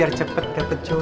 biar cepet dapat jodoh